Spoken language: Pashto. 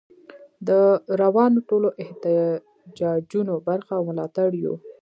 د روانو ټولو احتجاجونو برخه او ملاتړ یو.